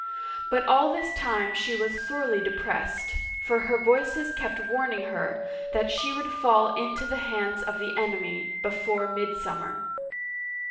But all this time she was sorely depressed, for her voices kept warning her that she would fall into the hands of the enemy " before midsummer."